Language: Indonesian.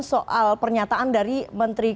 soal pernyataan dari menteri